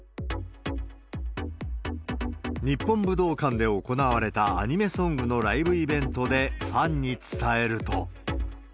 日本武道館で行われたアニメソングのライブイベントで、ファンに伝えると。